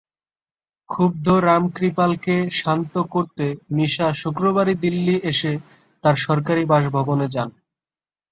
ক্ষুব্ধ রামকৃপালকে শান্ত করতে মিশা শুক্রবারই দিল্লি এসে তাঁর সরকারি বাসভবনে যান।